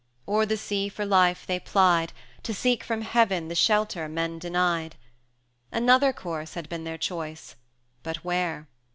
O'er the sea for life they plied, To seek from Heaven the shelter men denied. Another course had been their choice but where?